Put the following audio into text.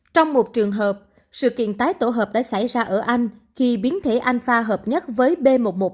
trong một trường hợp sự kiện tái tổ hợp đã xảy ra ở anh khi biến thể alpha hợp nhất với b một một bảy bảy